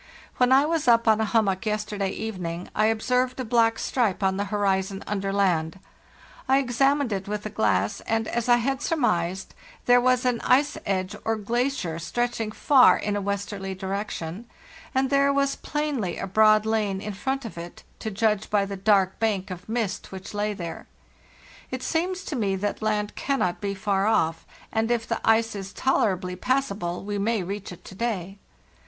When I was up on a hummock yester day evening I observed a black stripe on the horizon under land; I examined it with the glass, and, zs I had surmised, there was an ice edge or glacier stretching far in a westerly direction; and there was plainly a_ broad lane in front of it, to judge by the dark bank of mist which lay there. It seems to me that land cannot be far off, and if the ice is tolerably passable we may reach it to day.